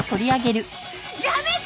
やめて！